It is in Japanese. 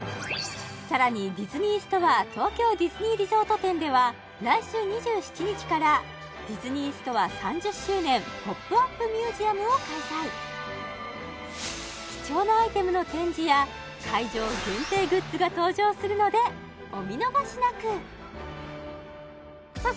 さらにディズニーストア東京ディズニーリゾート店では来週２７日からディズニーストア３０周年ＰＯＰＵＰミュージアムを開催や会場限定グッズが登場するのでお見逃しなくさあ